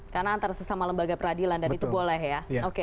karena antara sesama lembaga peradilan dan itu boleh ya